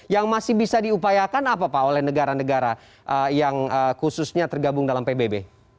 yang masih bisa diupayakan apa pak oleh negara negara yang khususnya tergabung dalam pbb